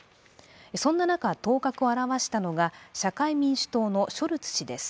そんな中頭角を現したのが社会民主党のショルツ氏です。